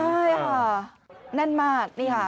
ใช่ค่ะแน่นมากนี่ค่ะ